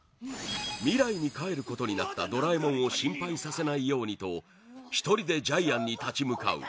未来に帰ることになったドラえもんを心配させないようにと１人でジャイアンに立ち向かう